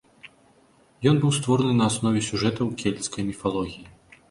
Ён быў створаны на аснове сюжэтаў кельцкай міфалогіі.